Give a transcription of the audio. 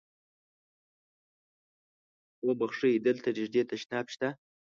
اوبښئ! دلته نږدې تشناب شته؟